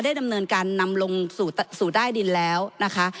ดำเนินการนำลงสู่ใต้ดินแล้วนะคะ